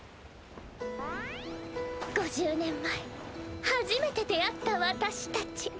５０年前初めて出会った私たち。